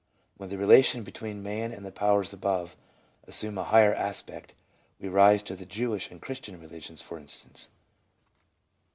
When the relation between man and the Powers above assume a higher aspect, we rise to the Jewish and Christian religions, for instance.